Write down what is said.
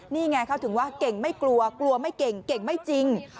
นี่ไงเขาถึงว่าเก่งไม่กลัวกลัวไม่เก่งเก่งไม่จริง